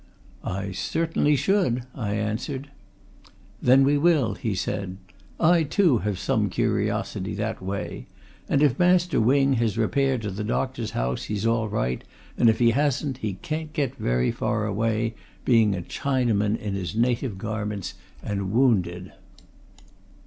"I certainly should!" I answered. "Then we will," he said. "I, too, have some curiosity that way. And if Master Wing has repaired to the doctor's house he's all right, and if he hasn't, he can't get very far away, being a Chinaman, in his native garments, and wounded."